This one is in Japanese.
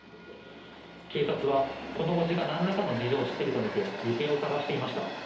警察は、この伯父がなんらかの事情を知っていると見て行方を捜していました。